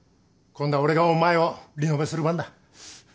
今度は俺がお前をリノベする番だ。